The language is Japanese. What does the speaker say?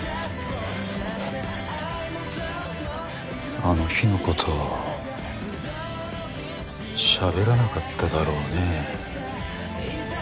あの日の事しゃべらなかっただろうね？